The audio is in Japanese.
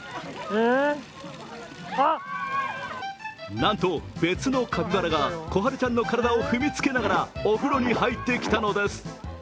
なんと別のカピバラがコハルちゃんの体を踏みつけながらお風呂に入ってきたのです。